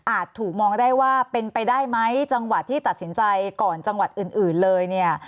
ถูกมองได้ว่าเป็นไปได้ไหมจังหวัดที่ตัดสินใจก่อนจังหวัดอื่นเลยเนี่ย